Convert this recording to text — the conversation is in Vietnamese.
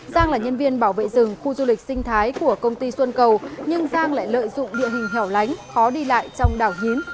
giang là nhân viên bảo vệ rừng khu du lịch sinh thái của công ty xuân cầu nhưng giang lại lợi dụng địa hình hẻo lánh khó đi lại trong đảo hín